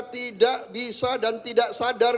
tidak bisa dan tidak sadar